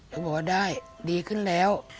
เขาบอกว่าได้ดีขึ้นแล้ว